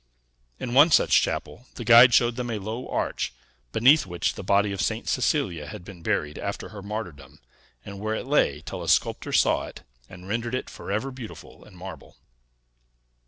In one such chapel, the guide showed them a low arch, beneath which the body of St. Cecilia had been buried after her martyrdom, and where it lay till a sculptor saw it, and rendered it forever beautiful in marble.